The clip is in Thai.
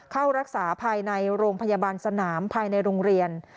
เข้ารักษาภายในโรงพยาบาลสนามภายในโรงเรียน